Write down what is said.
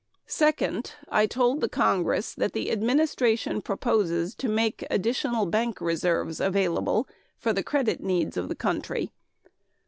Second, I told the Congress that the administration proposes to make additional bank reserves available for the credit needs of the country.